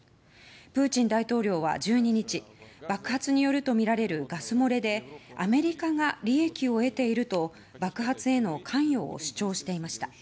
プーチン大統領は１２日爆発によるとみられるガス漏れでアメリカが利益を得ていると爆発への関与を主張していました。